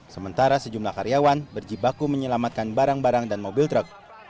sementara sejumlah karyawan berjibaku menyelamatkan barang barang dan mobil truk